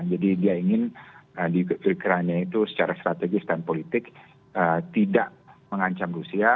jadi dia ingin di ukraina itu secara strategis dan politik tidak mengancam rusia